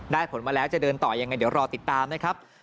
ผลมาแล้วจะเดินต่อยังไงเดี๋ยวรอติดตามนะครับ